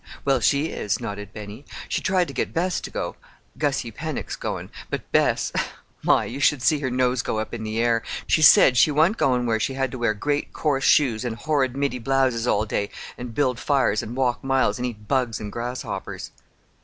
"Well, she is," nodded Benny. "She tried to get Bess to go—Gussie Pennock's goin'. But Bess!—my you should see her nose go up in the air! She said she wa'n't goin' where she had to wear great coarse shoes an' horrid middy blouses all day, an' build fires an' walk miles an' eat bugs an' grasshoppers."